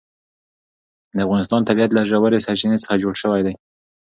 د افغانستان طبیعت له ژورې سرچینې څخه جوړ شوی دی.